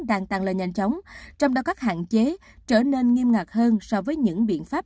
đang tăng lên nhanh chóng trong đó các hạn chế trở nên nghiêm ngặt hơn so với những biện pháp